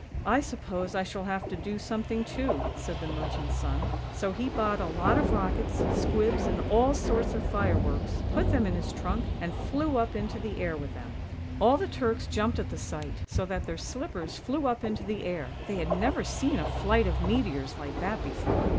" I suppose I shall have to do something too," said the merchant's son; so he bought a lot of rockets, squibs, and all sorts of fireworks, put them in his trunk, and flew up into the air with them. THE FLYING TRUNK 31 All the Turks jumped at the sight, so that their slippers flew up into the air, they had never seen a flight of meteors like that before.